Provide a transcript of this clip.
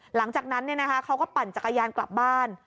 หลังจากนั้นเขาก็ปั่นจักรยานกลับบ้าน